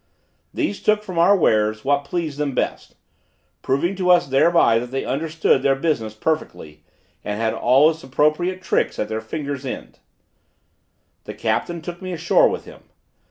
These took from our wares what pleased them best, proving to us thereby that they understood their business perfectly, and had all its appropriate tricks at their fingers' ends. The captain took me ashore with him.